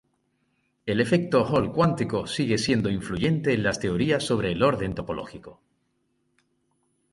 El efecto Hall cuántico sigue siendo influyente en las teorías sobre el orden topológico.